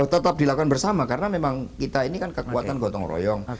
tetap dilakukan bersama karena memang kita ini kan kekuatan gotong royong